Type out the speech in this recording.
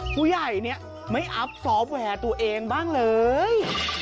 ผู้ใหญ่เนี่ยไม่อับสอบแหวะตัวเองบ้างเลย